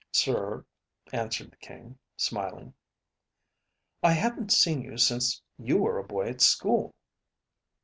"Sir," answered the King, smiling. "I haven't seen you since you were a boy at school."